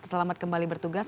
selamat kembali bertugas